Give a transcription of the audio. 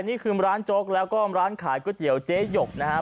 นี่คือร้านโจ๊กแล้วก็ร้านขายก๋วยเตี๋ยวเจ๊หยกนะครับ